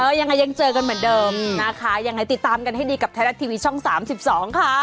ยังไงยังเจอกันเหมือนเดิมนะคะยังไงติดตามกันให้ดีกับไทยรัฐทีวีช่อง๓๒ค่ะ